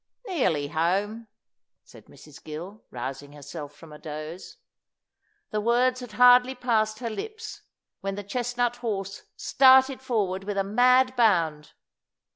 "Nearly home," said Mrs. Gill, rousing herself from a doze. The words had hardly passed her lips, when the chestnut horse started forward with a mad bound.